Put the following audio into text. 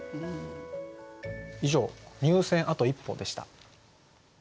以上「入選あと一歩」でした。